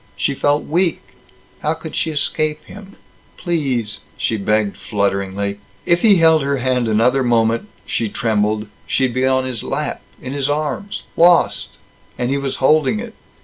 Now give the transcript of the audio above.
She felt weak. How could she escape him? "Please!" she begged flutteringly. If he held her hand another moment, she trembled, she'd be on his lap, in his arms lost. And he was holding it.